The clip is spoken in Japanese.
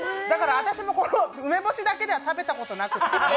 だから私も梅干しだけでは食べたことなくって。